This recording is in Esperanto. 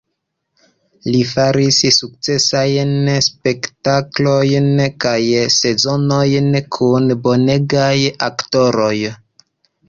Li faris sukcesajn spektaklojn kaj sezonojn kun bonegaj aktoroj.